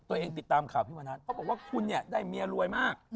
ติดตามข่าวพี่มณัฐเขาบอกว่าคุณเนี่ยได้เมียรวยมาก